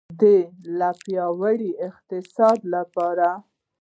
د لا پیاوړي اقتصاد لپاره.